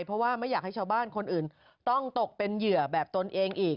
เพราะว่าไม่อยากให้ชาวบ้านคนอื่นต้องตกเป็นเหยื่อแบบตนเองอีก